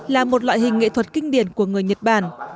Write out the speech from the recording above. là một loại hình nghệ thuật kinh điển của người nhật bản